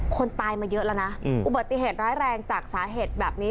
คนตายมาเยอะแล้วนะอุบัติเหตุร้ายแรงจากสาเหตุแบบนี้